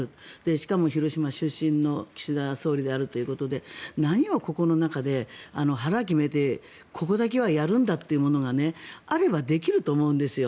しかも広島出身の岸田総理であるということで何をここの中で、腹を決めてここだけはやるんだというものがあればできると思うんですよ。